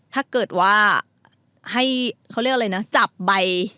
ถ้าเกิดว่าให้เขาเรียกอะไรนะจับใบ